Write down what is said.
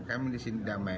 kami disini damai